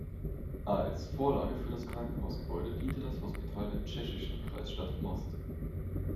Als Vorlage für das Krankenhausgebäude diente das Hospital der tschechischen Kreisstadt Most.